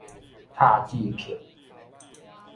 塔志克